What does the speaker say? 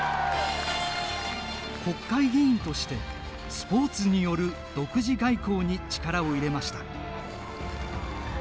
国会議員としてスポーツによる独自外交に力を入れました。